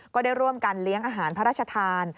ก็ได้ร่วมกันเลี้ยงอาหารพระราชทาน